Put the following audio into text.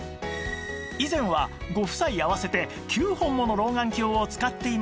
以前はご夫妻合わせて９本もの老眼鏡を使っていましたが